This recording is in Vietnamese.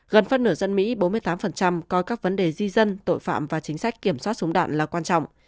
gần phân nửa dân mỹ bốn mươi tám coi các vấn đề di dân tội phạm và chính sách kiểm soát súng đạn là quan trọng